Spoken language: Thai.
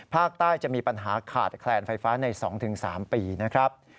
ภาคใต้จะมีปัญหาขาดแคลนไฟฟ้าใน๒๓ปีนะครับ